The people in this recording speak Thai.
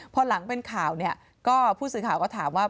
พอหลังเป็นข่าวเนี่ยก็ผู้สื่อข่าวก็ถามว่า